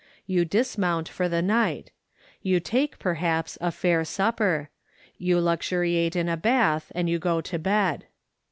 You dismount for the night: you take, perhaps, a fair supper; you luxuriate in a bath, and you go to bed.